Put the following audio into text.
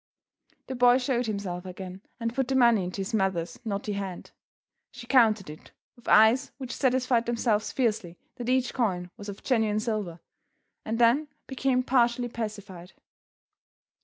The boy showed himself again, and put the money into his mother's knotty hand. She counted it, with eyes which satisfied themselves fiercely that each coin was of genuine silver and then became partially pacified.